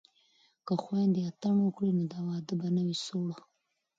که خویندې اتڼ وکړي نو واده به نه وي سوړ.